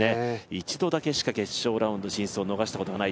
１度だけした決勝ラウンド進出を逃したことがない。